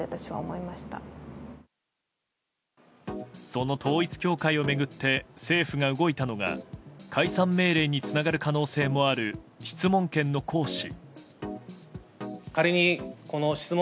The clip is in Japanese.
その統一教会を巡って政府が動いたのが解散命令につながる可能性もある質問権の行使。